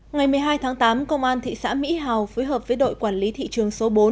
ngày một mươi hai tháng tám công an thị xã mỹ hào phối hợp với đội quản lý thị trường số bốn